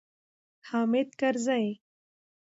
حامد کرزی